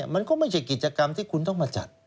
มันก็ไม่ใช่กิจกรรมที่คุณต้องมาจัด